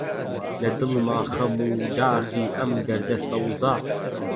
لە دڵما خەم و داخی ئەم دەردە سەوزە: